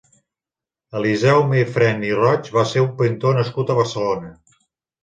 Eliseu Meifrèn i Roig va ser un pintor nascut a Barcelona.